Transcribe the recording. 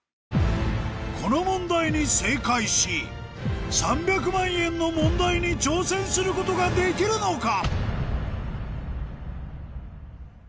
この問題に正解し３００万円の問題に挑戦することができるのか？